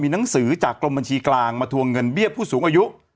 หนังสือจากกรมบัญชีกลางมาทวงเงินเบี้ยผู้สูงอายุ